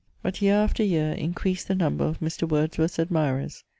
But year after year increased the number of Mr. Wordsworth's admirers.